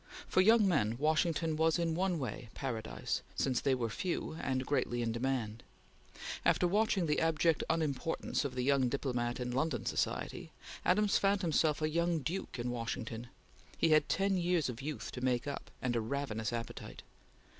For young men Washington was in one way paradise, since they were few, and greatly in demand. After watching the abject unimportance of the young diplomat in London society, Adams found himself a young duke in Washington. He had ten years of youth to make up, and a ravenous appetite.